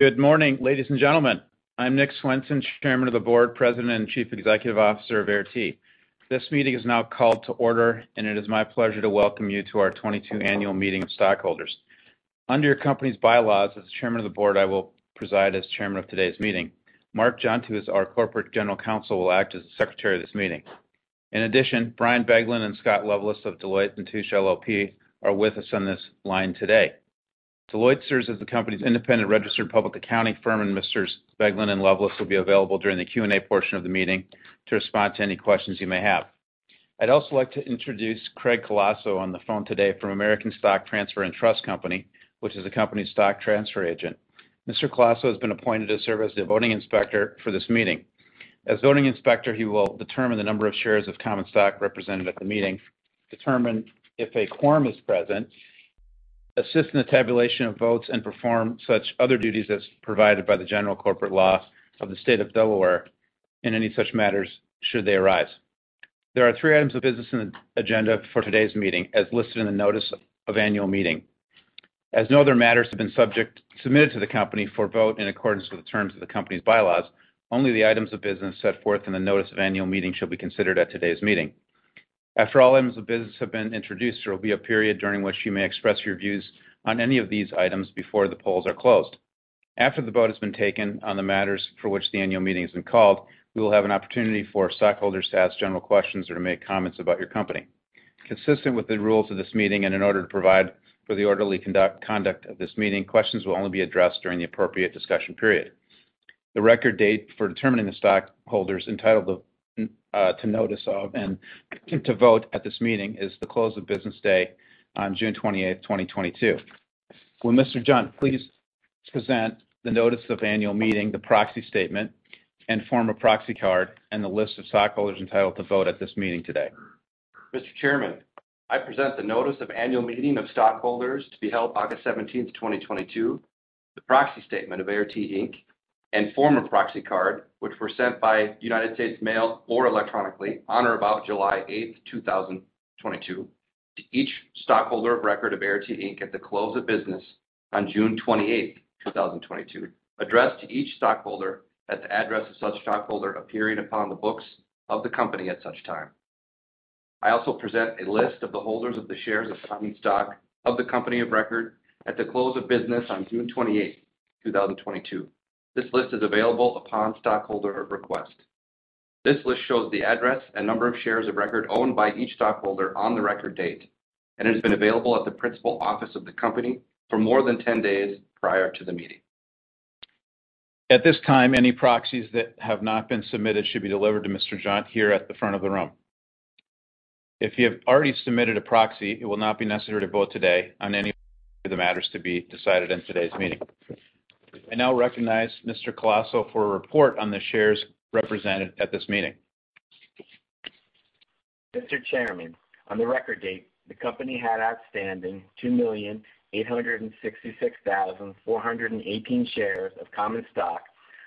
Good morning, ladies and gentlemen. I'm Nick Swenson, Chairman of the Board, President and Chief Executive Officer of Air T. This meeting is now called to order, and it is my pleasure to welcome you to our 2022 annual meeting of stockholders. Under your company's bylaws, as Chairman of the Board, I will preside as Chairman of today's meeting. Mark Jundt, who is our General Counsel, will act as the Secretary of this meeting. In addition, Brian Ochocki and Scott Loveless of Deloitte & Touche, LLP, are with us on this line today. Deloitte serves as the company's independent registered public accounting firm, and Mr. Ochocki and Loveless will be available during the Q&A portion of the meeting to respond to any questions you may have. I'd also like to introduce Craig Colosso on the phone today from Equiniti Trust Company, which is the company's stock transfer agent. Mr. Colosso has been appointed to serve as the voting inspector for this meeting. As voting inspector, he will determine the number of shares of common stock represented at the meeting, determine if a quorum is present, assist in the tabulation of votes, and perform such other duties as provided by the general corporate law of the state of Delaware in any such matters should they arise. There are 3 items of business on the agenda for today's meeting, as listed in the notice of annual meeting. As no other matters have been submitted to the company for vote in accordance with the terms of the company's bylaws, only the items of business set forth in the notice of annual meeting shall be considered at today's meeting. After all items of business have been introduced, there will be a period during which you may express your views on any of these items before the polls are closed. After the vote has been taken on the matters for which the annual meeting has been called, we will have an opportunity for stockholders to ask general questions or to make comments about your company. Consistent with the rules of this meeting and in order to provide for the orderly conduct of this meeting, questions will only be addressed during the appropriate discussion period. The record date for determining the stockholders entitled to notice of and to vote at this meeting is the close of business day on June 28th, 2022. Will Mr. Jundt please present the notice of annual meeting, the proxy statement, and form of proxy card, and the list of stockholders entitled to vote at this meeting today? Mr. Chairman, I present the notice of annual meeting of stockholders to be held August 17th, 2022, the proxy statement of Air T, Inc., and form of proxy card, which were sent by United States Mail or electronically on or about July 8th, 2022, to each stockholder of record of Air T, Inc. at the close of business on June 28th, 2022, addressed to each stockholder at the address of such stockholder appearing upon the books of the company at such time. I also present a list of the holders of the shares of common stock of the company of record at the close of business on June 28th, 2022. This list is available upon stockholder request. This list shows the address and number of shares of record owned by each stockholder on the record date, and it has been available at the principal office of the company for more than 10 days prior to the meeting. At this time, any proxies that have not been submitted should be delivered to Mr. Jundt here at the front of the room. If you have already submitted a proxy, it will not be necessary to vote today on any of the matters to be decided in today's meeting. I now recognize Mr. Colosso for a report on the shares represented at this meeting. Mr. Chairman, on the record date, the company had outstanding 2,866,418 shares of common stock,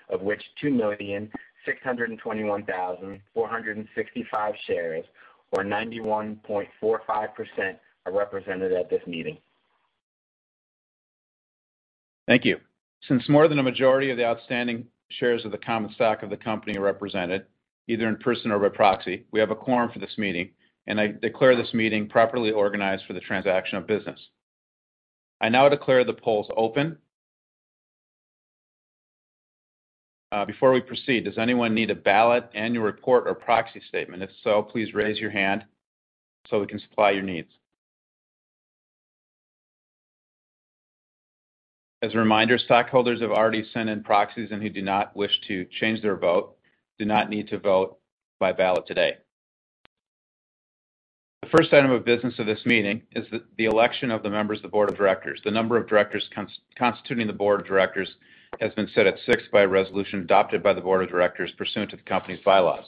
of which 2,621,465 shares, or 91.45%, are represented at this meeting. Thank you. Since more than a majority of the outstanding shares of the common stock of the company are represented, either in person or by proxy, we have a quorum for this meeting, and I declare this meeting properly organized for the transaction of business. I now declare the polls open. Before we proceed, does anyone need a ballot, annual report, or proxy statement? If so, please raise your hand so we can supply your needs. As a reminder, stockholders who have already sent in proxies and who do not wish to change their vote do not need to vote by ballot today. The first item of business of this meeting is the election of the members of the board of directors. The number of directors constituting the board of directors has been set at 6 by a resolution adopted by the board of directors pursuant to the company's bylaws.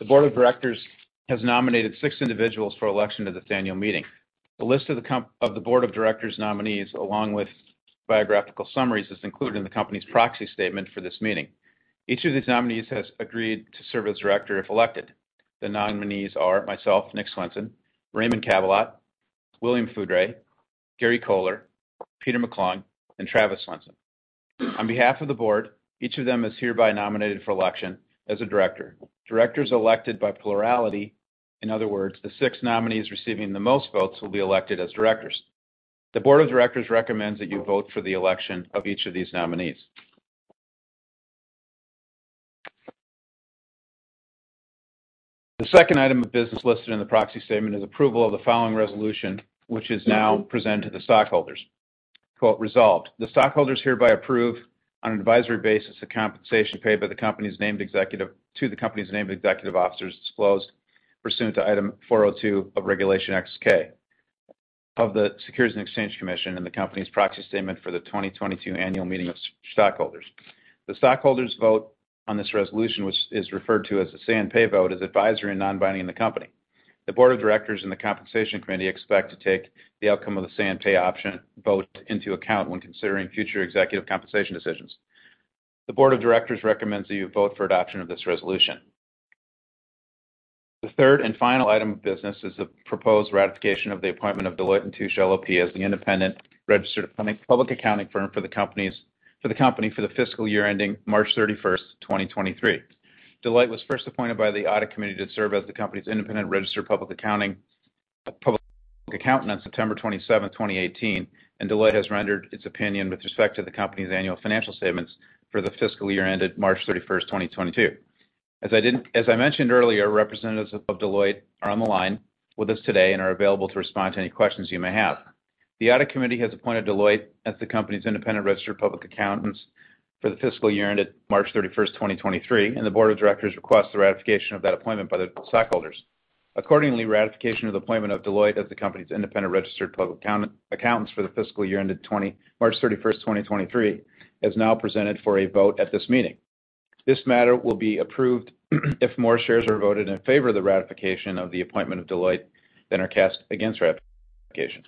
The board of directors has nominated 6 individuals for election to this annual meeting. The list of the board of directors nominees, along with biographical summaries, is included in the company's proxy statement for this meeting. Each of these nominees has agreed to serve as director if elected. The nominees are myself, Nick Swenson, Raymond Cabillot, William Foudray, Gary Kohler, Peter McClung, and Travis Swenson. On behalf of the board, each of them is hereby nominated for election as a director. Directors elected by plurality, in other words, the 6 nominees receiving the most votes, will be elected as directors. The board of directors recommends that you vote for the election of each of these nominees. The second item of business listed in the proxy statement is approval of the following resolution, which is now presented to the stockholders. "Resolved. The stockholders hereby approve on an advisory basis the compensation paid by the Company to the named executive officers disclosed pursuant to Item 402 of Regulation S-K of the Securities and Exchange Commission and the Company's proxy statement for the 2022 annual meeting of stockholders. The stockholders' vote on this resolution, which is referred to as the say-on-pay vote, is advisory and non-binding on the Company. The board of directors and the compensation committee expect to take the outcome of the say-on-pay vote into account when considering future executive compensation decisions. The board of directors recommends that you vote for adoption of this resolution. The third and final item of business is the proposed ratification of the appointment of Deloitte & Touche LLP, as the independent registered public accounting firm for the Company for the fiscal year ending March 31st, 2023. Deloitte was first appointed by the audit committee to serve as the company's independent registered public accountant on September 27th, 2018, and Deloitte has rendered its opinion with respect to the company's annual financial statements for the fiscal year ended March 31st, 2022. As I mentioned earlier, representatives of Deloitte are on the line with us today and are available to respond to any questions you may have. The audit committee has appointed Deloitte as the company's independent registered public accountant for the fiscal year ended March 31st, 2023, and the board of directors requests the ratification of that appointment by the stockholders. Accordingly, ratification of the appointment of Deloitte as the company's independent registered public accountant for the fiscal year ended March 31st, 2023, is now presented for a vote at this meeting. This matter will be approved if more shares are voted in favor of the ratification of the appointment of Deloitte than are cast against ratification.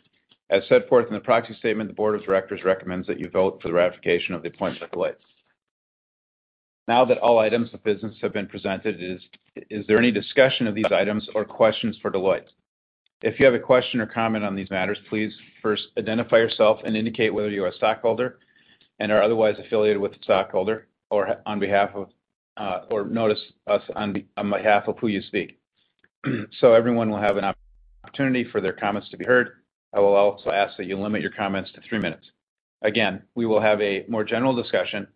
As set forth in the proxy statement, the board of directors recommends that you vote for the ratification of the appointment of Deloitte. Now that all items of business have been presented, is there any discussion of these items or questions for Deloitte? If you have a question or comment on these matters, please first identify yourself and indicate whether you are a stockholder and are otherwise affiliated with the stockholder or speaking on behalf of whom you speak. Everyone will have an opportunity for their comments to be heard. I will also ask that you limit your comments to 3 minutes. Again, we will have a more general discussion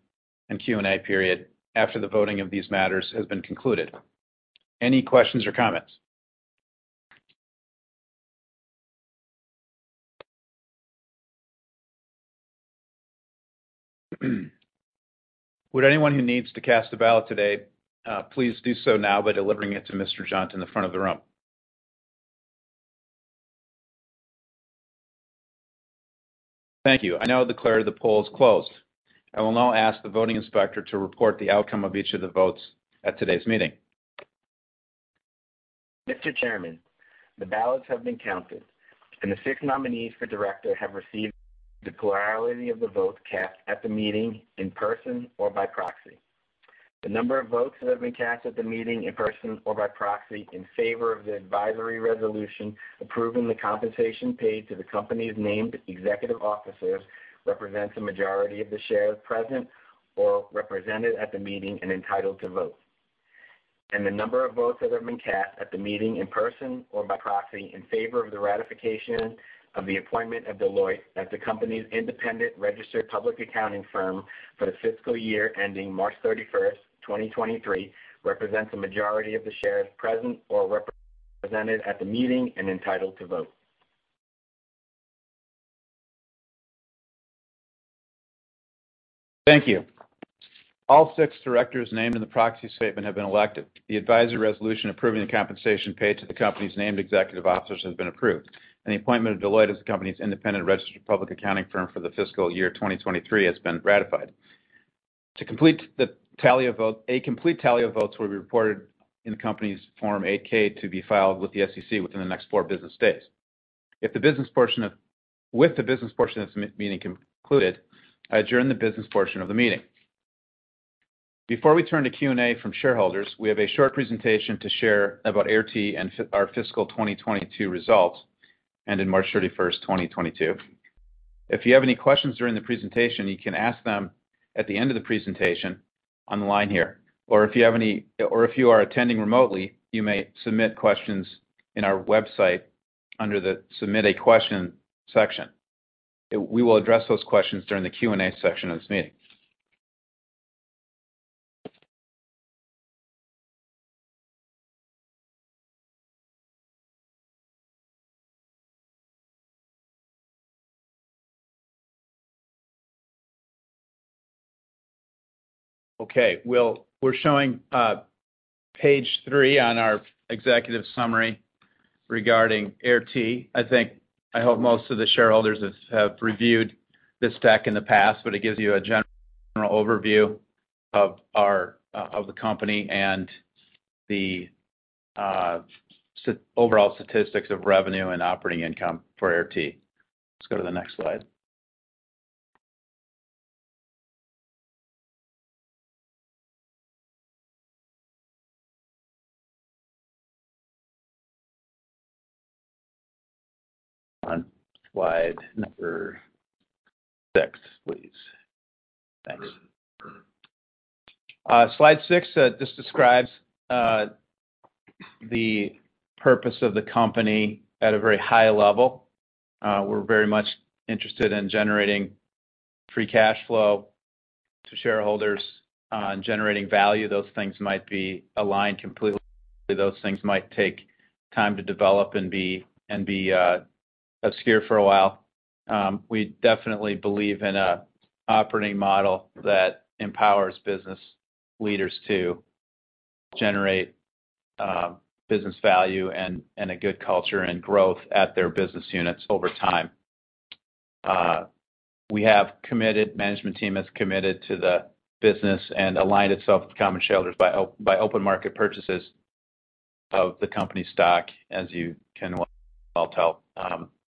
and Q&A period after the voting of these matters has been concluded. Any questions or comments? Would anyone who needs to cast a ballot today, please do so now by delivering it to Mr. Jundt in the front of the room. Thank you. I now declare the polls closed. I will now ask the voting inspector to report the outcome of each of the votes at today's meeting. Mr. Chairman, the ballots have been counted, and the 6 nominees for director have received the plurality of the votes cast at the meeting in person or by proxy. The number of votes that have been cast at the meeting in person or by proxy in favor of the advisory resolution approving the compensation paid to the company's named executive officers represents a majority of the shares present or represented at the meeting and entitled to vote. The number of votes that have been cast at the meeting in person or by proxy in favor of the ratification of the appointment of Deloitte as the company's independent registered public accounting firm for the fiscal year ending March 31st, 2023, represents a majority of the shares present or represented at the meeting and entitled to vote. Thank you. All 6 directors named in the proxy statement have been elected. The advisory resolution approving the compensation paid to the company's named executive officers has been approved, and the appointment of Deloitte as the company's independent registered public accounting firm for the fiscal year 2023 has been ratified. A complete tally of votes will be reported in the company's Form 8-K to be filed with the SEC within the next 4 business days. If the business portion of this meeting concluded, I adjourn the business portion of the meeting. Before we turn to Q&A from shareholders, we have a short presentation to share about Air T and our fiscal 2022 results ending March 31st, 2022. If you have any questions during the presentation, you can ask them at the end of the presentation on the line here. If you have any or if you are attending remotely, you may submit questions on our website under the Submit a Question section. We will address those questions during the Q&A section of this meeting. Okay. We're showing page 3 on our executive summary regarding Air T. I hope most of the shareholders have reviewed this stack in the past, but it gives you a general overview of the company and the overall statistics of revenue and operating income for Air T. Let's go to the next slide. On slide number 6, please. Thanks. Slide 6 just describes the purpose of the company at a very high level. We're very much interested in generating free cash flow to shareholders and generating value. Those things might be aligned completely. Those things might take time to develop and be obscure for a while. We definitely believe in an operating model that empowers business leaders to generate business value and a good culture and growth at their business units over time. Our committed management team has committed to the business and aligned itself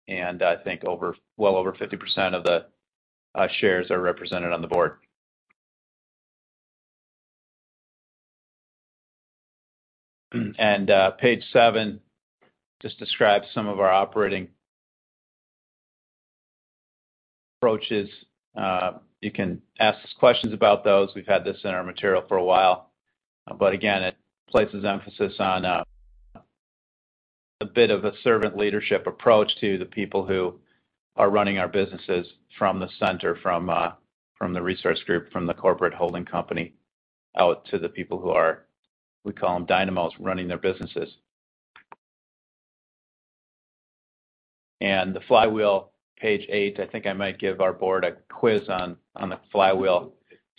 with common shareholders by open market purchases of the company's stock, as you can well tell. I think well over 50% of the shares are represented on the board. Page 7 just describes some of our operating approaches. You can ask us questions about those. We've had this in our material for a while. It places emphasis on a bit of a servant leadership approach to the people who are running our businesses from the center, from the resource group, from the corporate holding company out to the people whom we call dynamos running their businesses. The flywheel, page 8, I think I might give our board a quiz on the flywheel,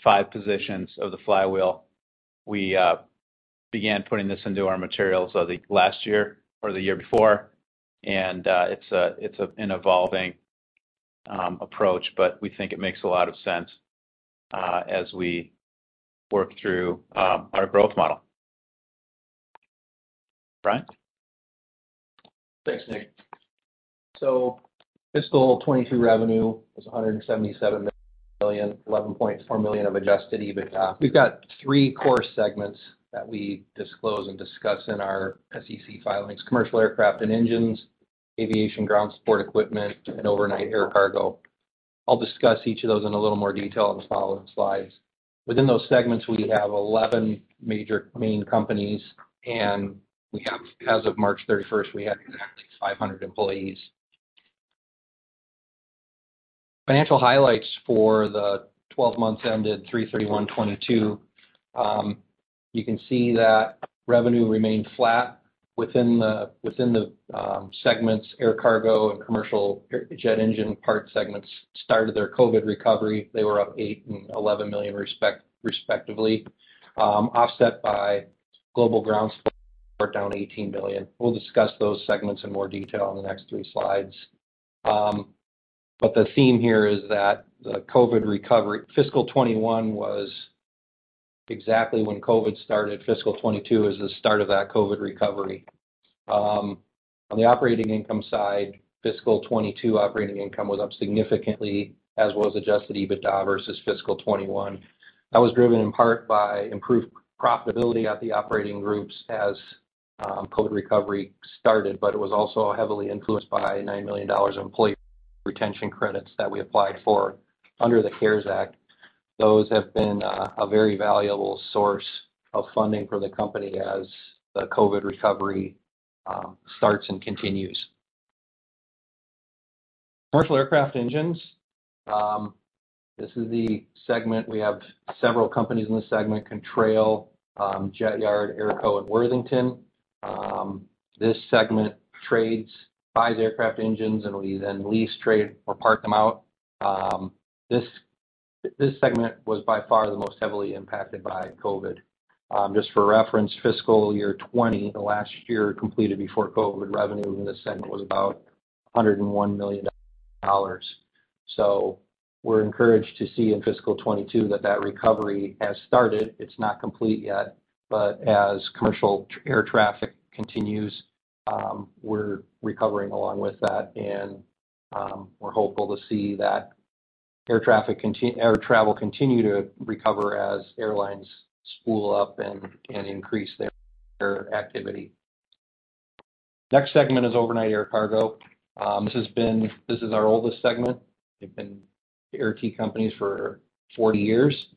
5 positions of the flywheel. We began putting this into our materials last year or the year before, and it's an evolving approach, but we think it makes a lot of sense as we work through our growth model. Brian? Thanks, Nick. Fiscal 2022 revenue is $177 million, $11.4 million of adjusted EBITDA. We've got 3 core segments that we disclose and discuss in our SEC filings: commercial aircraft and engines, aviation ground support equipment, and overnight air cargo. I'll discuss each of those in a little more detail in the following slides. Within those segments, we have 11 major main companies, and as of March 31, we had exactly 500 employees. Financial highlights for the 12 months ended 3/31/2022. You can see that revenue remained flat within the segments air cargo and commercial jet engine part segments started their COVID recovery. They were up $8 million and $11 million respectively, offset by Global Ground Support down $18 million. We'll discuss those segments in more detail in the next 3 slides. The theme here is that the COVID recovery. Fiscal 2021 was exactly when COVID started. Fiscal 2022 is the start of that COVID recovery. On the operating income side, fiscal 2022 operating income was up significantly, as was Adjusted EBITDA versus fiscal 2021. That was driven in part by improved profitability at the operating groups as COVID recovery started, but it was also heavily influenced by $9 million of employee retention credits that we applied for under the CARES Act. Those have been a very valuable source of funding for the company as the COVID recovery starts and continues. Commercial aircraft engines, this is the segment we have several companies in this segment: Contrail, JetYard, AirCo, and Worthington Aviation. This segment trades, buys aircraft engines, and we then lease, trade, or part them out. This segment was by far the most heavily impacted by COVID. Just for reference, fiscal year 2020, the last year completed before COVID, revenue in this segment was about $101 million. We're encouraged to see in fiscal 2022 that recovery has started. It's not complete yet, but as commercial air traffic continues, we're recovering along with that, and we're hopeful to see that air travel continue to recover as airlines spool up and increase their activity. Next segment is overnight air cargo. This is our oldest segment. They've been Air T companies for 40 years.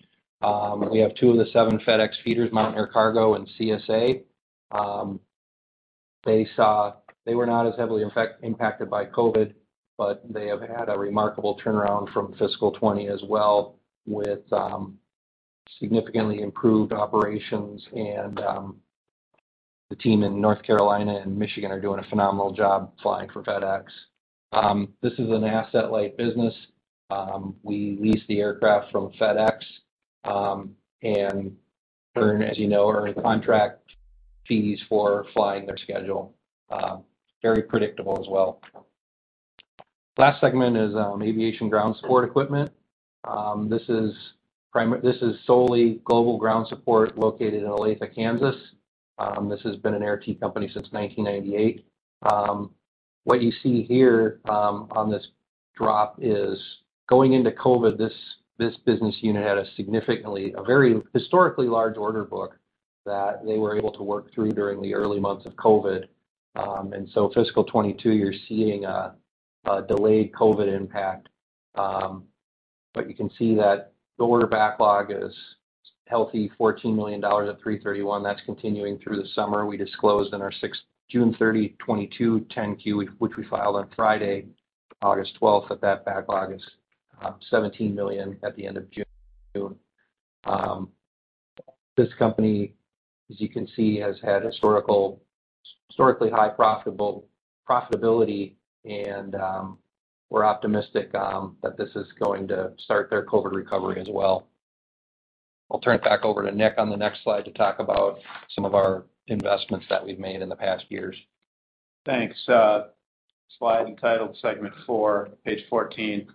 We have 2 of the 7 FedEx feeders, Mountain Air Cargo and CSA. They were not as heavily impacted by COVID, but they have had a remarkable turnaround from fiscal 2020 as well with significantly improved operations, and the team in North Carolina and Michigan are doing a phenomenal job flying for FedEx. This is an asset-light business. We lease the aircraft from FedEx and earn, as you know, contract fees for flying their schedule. Very predictable as well. Last segment is Aviation Ground Support Equipment. This is solely Global Ground Support located in Olathe, Kansas. This has been an Air T company since 1998. What you see here on this drop is going into COVID, this business unit had a very historically large order book that they were able to work through during the early months of COVID. Fiscal 2022, you're seeing a delayed COVID impact, but you can see that the order backlog is healthy: $14 million at 3/31. That's continuing through the summer. We disclosed in our June 30, 2022, 10-Q, which we filed on Friday, August 12th. That backlog is $17 million at the end of June. This company, as you can see, has had historically high profitability, and we're optimistic that this is going to start their COVID recovery as well. I'll turn it back over to Nick on the next slide to talk about some of our investments that we've made in the past years. Thanks. Slide entitled Segment Four, page 14,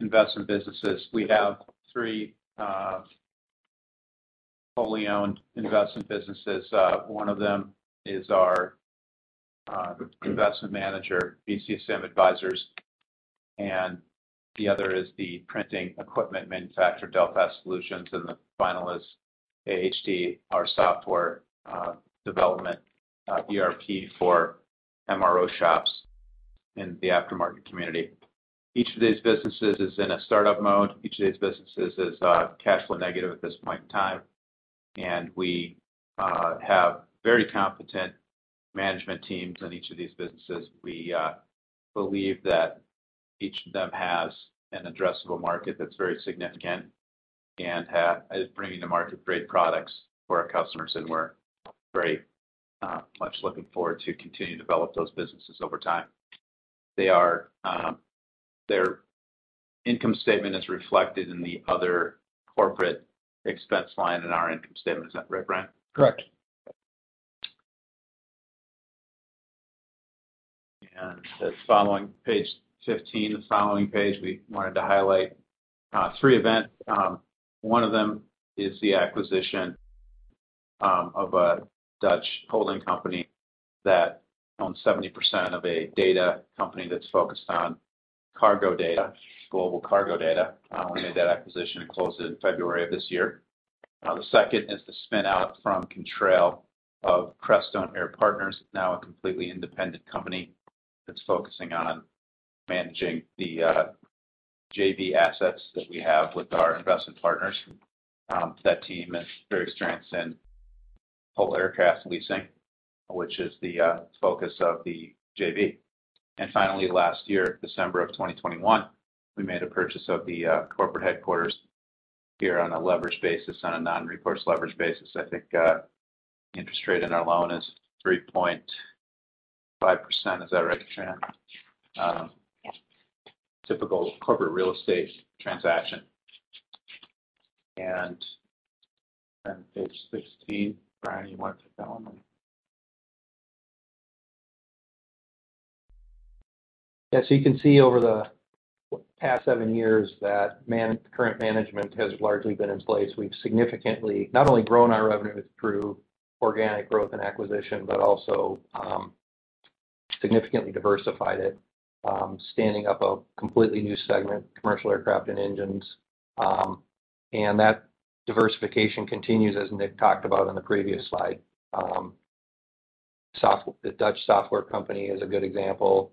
investment businesses. We have 3 wholly-owned investment businesses. One of them is our investment manager, BCSM Advisors, and the other is the printing equipment manufacturer, Delphax Solutions. The final is AHD, our software development ERP for MRO shops in the aftermarket community. Each of these businesses is in a startup mode. Each of these businesses is cash flow negative at this point in time, and we have very competent management teams in each of these businesses. We believe that each of them has an addressable market that's very significant and is bringing to market great products for our customers, and we're very much looking forward to continuing to develop those businesses over time. Their income statement is reflected in the other corporate expense line, and our income statement is that right, Brian? Correct. Page 15, we wanted to highlight 3 events. One of them is the acquisition of a Dutch holding company that owns 70% of a data company that's focused on cargo data, global cargo data. We made that acquisition and closed it in February of this year. The second is the spin-out from Contrail of Crestone Air Partners. Now, a completely independent company that's focusing on managing the JV assets that we have with our investment partners. That team has great strengths in whole aircraft leasing, which is the focus of the JV. Finally, last year, December of 2021, we made a purchase of the corporate headquarters here on a leveraged basis, on a non-recourse leveraged basis. I think interest rate on our loan is 3.5%. Is that right, Katrina? Yeah. Typical corporate real estate transaction. Page 16, Brian, you want to take that one? Yeah. You can see over the past 7 years that current management has largely been in place. We've significantly not only grown our revenue through organic growth and acquisition, but also significantly diversified it, standing up a completely new segment, commercial aircraft and engines. That diversification continues, as Nick talked about in the previous slide. The Dutch software company is a good example.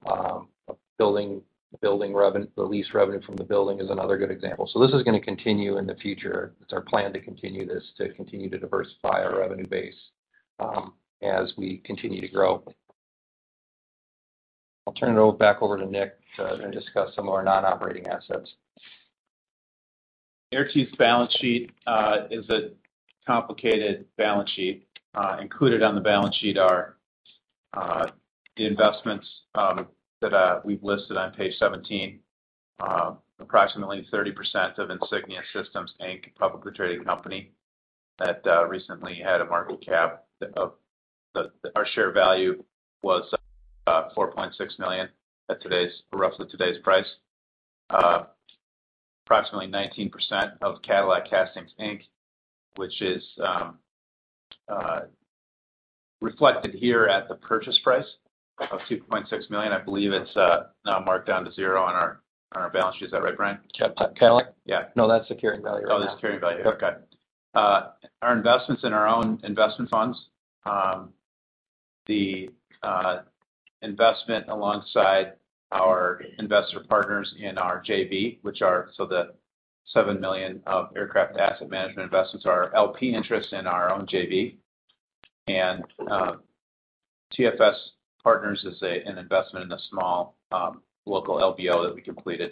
The lease revenue from the building is another good example. This is going to continue in the future. It's our plan to continue this, to continue to diversify our revenue base as we continue to grow. I'll turn it back over to Nick to discuss some of our non-operating assets. Air T's balance sheet is a complicated balance sheet. Included on the balance sheet are the investments that we've listed on page 17, approximately 30% of Insignia Systems, Inc., a publicly traded company that recently had a market cap of our share value was $4.6 million at roughly today's price, approximately 19% of Cadillac Casting, Inc., which is reflected here at the purchase price of $2.6 million. I believe it's now marked down to 0 on our balance sheet. Is that right, Brian? Cadillac? Yeah. No, that's carrying value right now. Oh, that's Securing Value. Okay. Our investments in our own investment funds, the investment alongside our investor partners in our JV, which are so the $7 million of aircraft asset management investments are LP interest in our own JV. TFS Partners is an investment in a small local LBO that we completed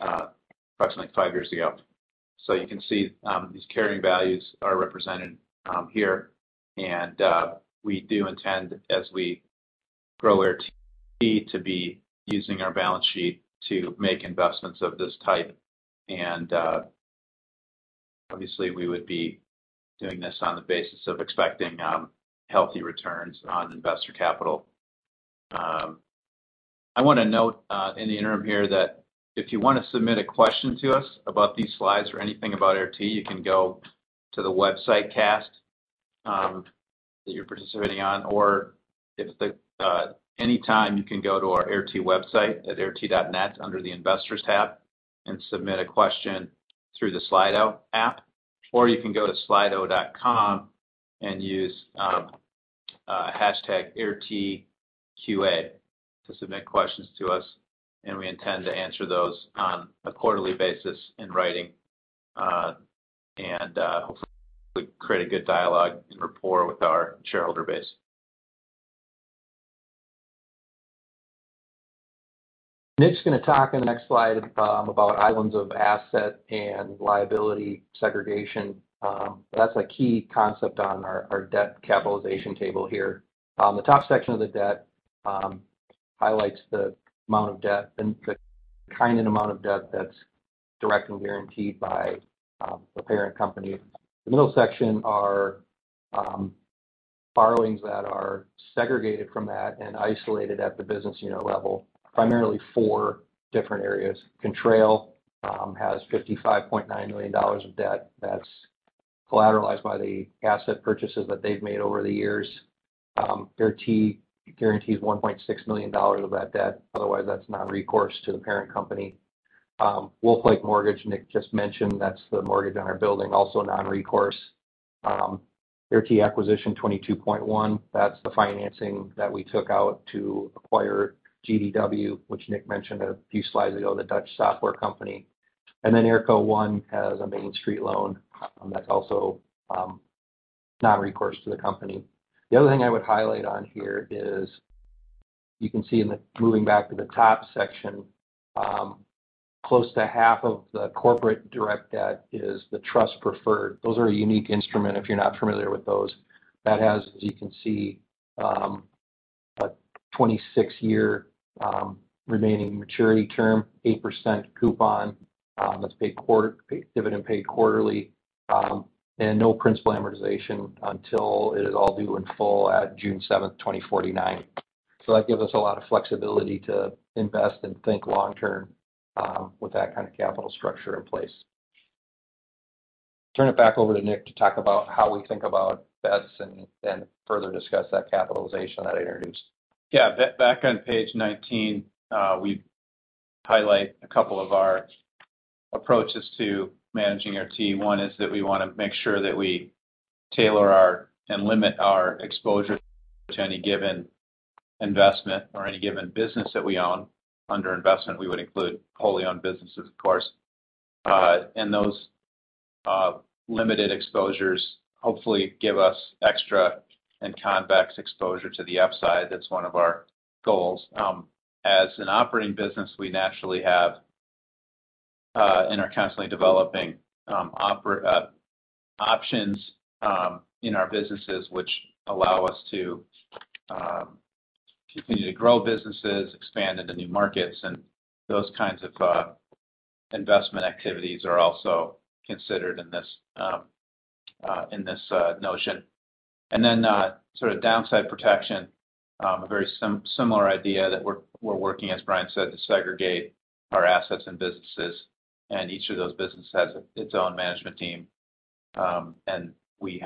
approximately 5 years ago. You can see these carrying values are represented here. We do intend, as we grow Air T, to be using our balance sheet to make investments of this type. Obviously, we would be doing this on the basis of expecting healthy returns on investor capital. I want to note in the interim here that if you want to submit a question to us about these slides or anything about Air T, you can go to the webcast that you're participating on, or anytime, you can go to our Air T website at airt.net under the Investors tab and submit a question through the Slido app. Or you can go to slido.com and use #airtqa to submit questions to us, and we intend to answer those on a quarterly basis in writing and hopefully create a good dialogue and rapport with our shareholder base. Nick's going to talk in the next slide about islands of asset and liability segregation. That's a key concept on our debt capitalization table here. The top section of the debt highlights the amount of debt and the kind and amount of debt that's direct and guaranteed by the parent company. The middle section are borrowings that are segregated from that and isolated at the business unit level, primarily 4 different areas. Contrail has $55.9 million of debt that's collateralized by the asset purchases that they've made over the years. Air T guarantees $1.6 million of that debt. Otherwise, that's non-recourse to the parent company. Wolf Lake Mortgage, Nick just mentioned, that's the mortgage on our building, also non-recourse. Air T Acquisition 22.1, that's the financing that we took out to acquire GDW, which Nick mentioned a few slides ago, the Dutch software company. AirCo One has a Main Street loan that's also non-recourse to the company. The other thing I would highlight on here is you can see moving back to the top section, close to half of the corporate direct debt is the trust preferred securities. Those are a unique instrument if you're not familiar with those. That has, as you can see, a 26-year remaining maturity term, 8% coupon that's paid dividend paid quarterly, and no principal amortization until it is all due in full at June 7th, 2049. That gives us a lot of flexibility to invest and think long-term with that kind of capital structure in place. Turn it back over to Nick to talk about how we think about bets and further discuss that capitalization that I introduced. Yeah. Back on page 19, we highlight a couple of our approaches to managing Air T. One is that we want to make sure that we tailor and limit our exposure to any given investment or any given business that we own. Under investment, we would include wholly-owned businesses, of course. Those limited exposures hopefully give us extra and convex exposure to the upside. That's one of our goals. As an operating business, we naturally have and are constantly developing options in our businesses which allow us to continue to grow businesses, expand into new markets. Those kinds of investment activities are also considered in this notion. Then sort of downside protection, a very similar idea that we're working, as Brian said, to segregate our assets and businesses. Each of those businesses has its own management team, and we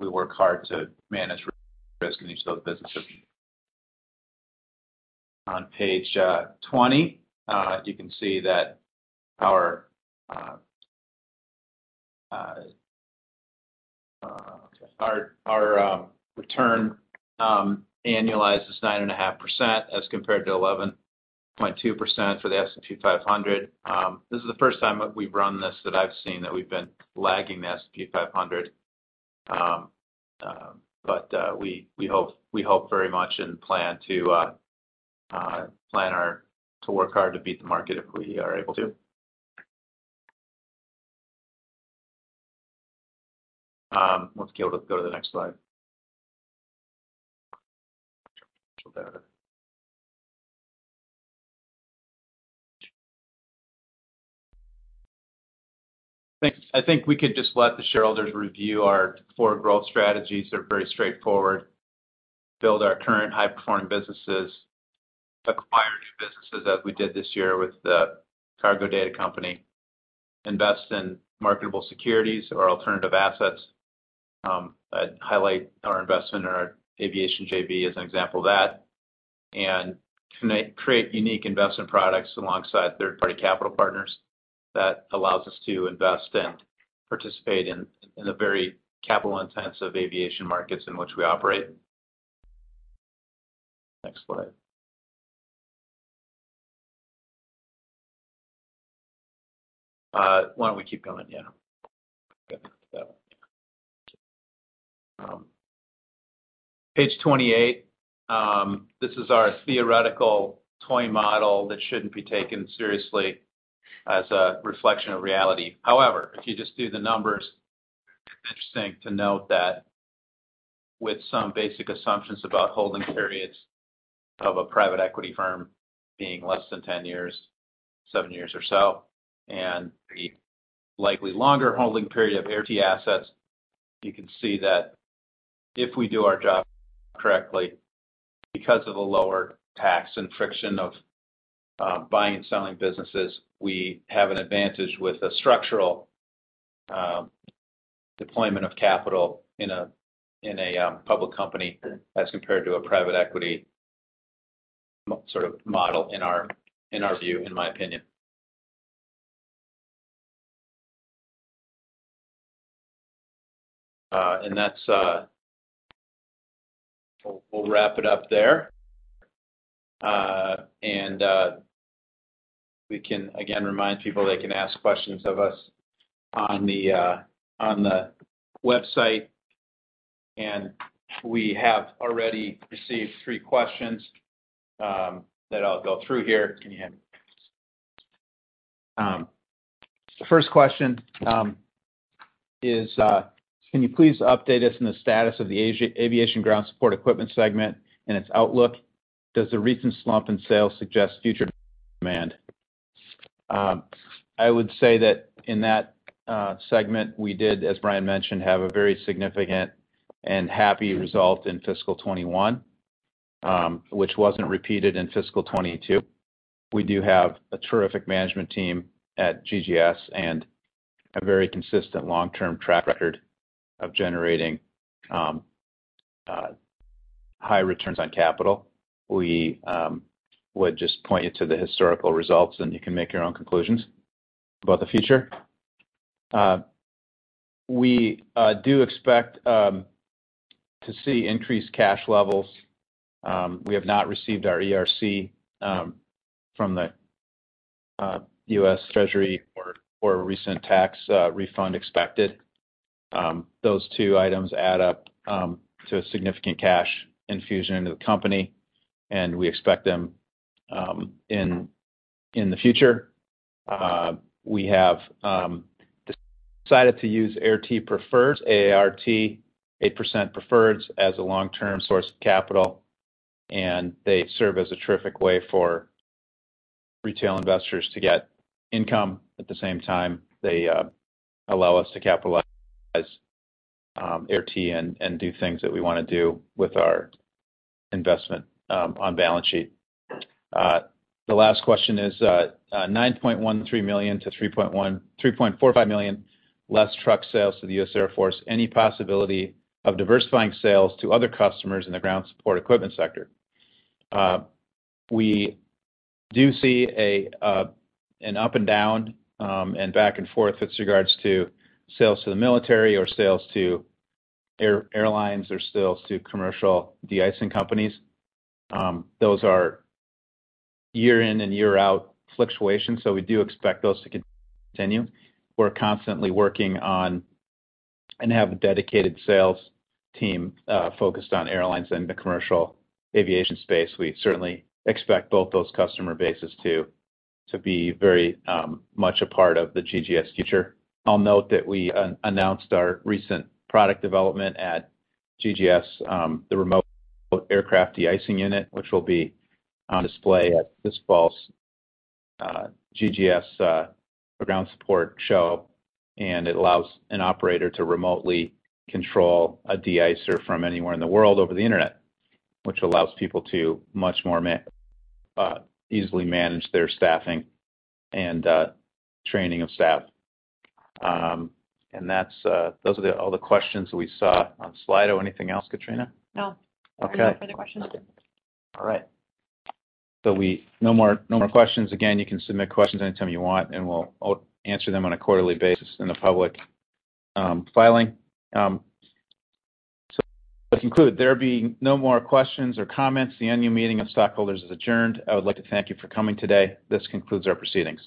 work hard to manage risk in each of those businesses. On page 20, you can see that our return annualized is 9.5% as compared to 11.2% for the S&P 500. This is the first time we've run this that I've seen that we've been lagging the S&P 500. We hope very much and plan to work hard to beat the market if we are able to. Once we go to the next slide. I think we could just let the shareholders review our 4 growth strategies. They're very straightforward. Build our current high-performing businesses, acquire new businesses as we did this year with the cargo data company, invest in marketable securities or alternative assets. I'd highlight our investment in our aviation JV as an example of that, and create unique investment products alongside third-party capital partners. That allows us to invest and participate in the very capital-intensive aviation markets in which we operate. Next slide. Why don't we keep going? Yeah. Page 28, this is our theoretical toy model that shouldn't be taken seriously as a reflection of reality. However, if you just do the numbers, it's interesting to note that with some basic assumptions about holding periods of a private equity firm being less than 10 years, 7 years or so, and the likely longer holding period of Air T assets, you can see that if we do our job correctly, because of the lower tax infriction of buying and selling businesses, we have an advantage with a structural deployment of capital in a public company as compared to a private equity sort of model, in our view, in my opinion. We'll wrap it up there. We can, again, remind people they can ask questions of us on the website. We have already received 3 questions that I'll go through here. Can you hand me the first question? Can you please update us on the status of the Aviation Ground Support Equipment segment and its outlook? Does the recent slump in sales suggest future demand? I would say that in that segment, we did, as Brian mentioned, have a very significant and happy result in fiscal 2021, which wasn't repeated in fiscal 2022. We do have a terrific management team at GGS and a very consistent long-term track record of generating high returns on capital. We would just point you to the historical results, and you can make your own conclusions about the future. We do expect to see increased cash levels. We have not received our ERC from the U.S. Treasury or a recent tax refund expected. Those 2 items add up to a significant cash infusion into the company, and we expect them in the future. We have decided to use Air T Preferreds, AART 8% Preferreds, as a long-term source of capital, and they serve as a terrific way for retail investors to get income. At the same time, they allow us to capitalize Air T and do things that we want to do with our investment on balance sheet. The last question is $9.13 million to $3.45 million less truck sales to the U.S. Air Force. Any possibility of diversifying sales to other customers in the ground support equipment sector? We do see an up and down and back and forth with regards to sales to the military or sales to airlines or sales to commercial de-icing companies. Those are year-in and year-out fluctuations, so we do expect those to continue. We're constantly working on and have a dedicated sales team focused on airlines and the commercial aviation space. We certainly expect both those customer bases to be very much a part of the GGS future. I'll note that we announced our recent product development at GGS, the remote aircraft de-icing unit, which will be on display at this fall's GGS ground support show. It allows an operator to remotely control a de-icer from anywhere in the world over the internet, which allows people to much more easily manage their staffing and training of staff. Those are all the questions that we saw on Slido. Anything else, Katrina? No. I have no further questions. Okay. All right. No more questions. Again, you can submit questions anytime you want, and we'll answer them on a quarterly basis in the public filing. To conclude, there being no more questions or comments, the annual meeting of stockholders is adjourned. I would like to thank you for coming today. This concludes our proceedings.